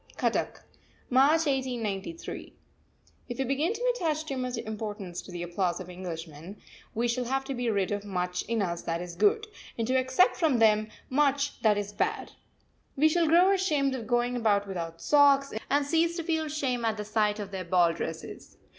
CUTTACK, March 1893. If we begin to attach too much importance to the applause of Englishmen, we shall have to be rid of much in us that is good, and to accept from them much that is bad. We shall grow ashamed of going about without socks, and cease to feel shame at the sight of their ball dresses.